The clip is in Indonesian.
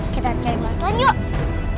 kita cari bantuan yuk